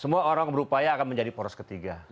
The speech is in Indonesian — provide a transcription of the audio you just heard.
semua orang berupaya akan menjadi poros ketiga